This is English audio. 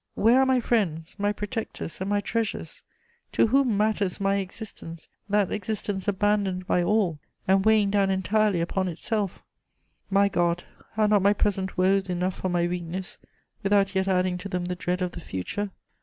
Where are my friends, my protectors and my treasures! To whom matters my existence, that existence abandoned by all, and weighing down entirely upon itself? My God, are not my present woes enough for my weakness, without yet adding to them the dread of the future?